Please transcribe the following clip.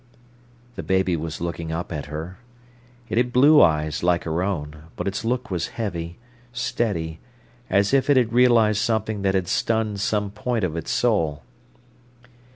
The baby was looking up at her. It had blue eyes like her own, but its look was heavy, steady, as if it had realised something that had stunned some point of its soul.